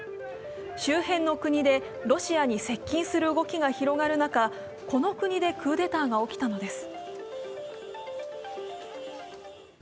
周辺の国でロシアに接近する動きが広がる中、この国でクーデターが起きたのです。